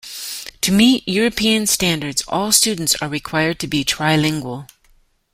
To meet European standards, all students are required to be trilingual.